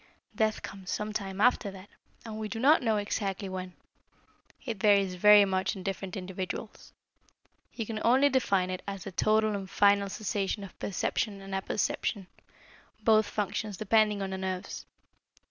Death comes some time after that, and we do not know exactly when. It varies very much in different individuals. You can only define it as the total and final cessation of perception and apperception, both functions depending on the nerves.